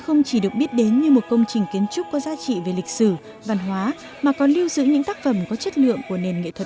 hãy đăng ký kênh để ủng hộ kênh mình nhé